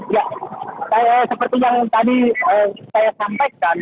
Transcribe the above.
ya seperti yang tadi saya sampaikan